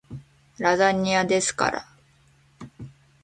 ラザニアですから